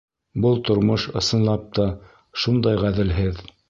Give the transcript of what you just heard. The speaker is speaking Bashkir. Был тормош, ысынлап та, шундай ғәҙелһеҙ!